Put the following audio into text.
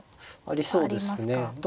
ありそうですね。